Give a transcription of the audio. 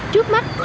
trước mắt sở đồng